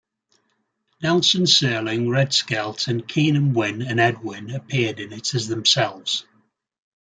Nelson, Serling, Red Skelton, Keenan Wynn and Ed Wynn appeared in it as themselves.